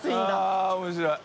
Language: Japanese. あぁ面白い。